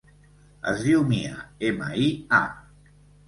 Es diu Mia: ema, i, a.